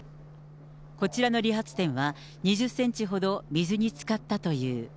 こちらの理髪店は、２０センチほど水に浸かったという。